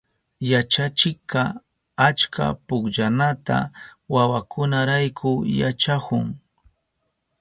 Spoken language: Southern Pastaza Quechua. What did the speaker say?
Yachachikka achka pukllanata wawakunarayku yachahun.